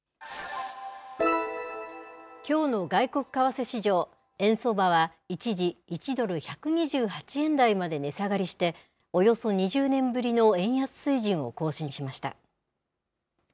きょうの外国為替市場、円相場は一時、１ドル１２８円台まで値下がりして、およそ２０年ぶりの円安水準を更新しました。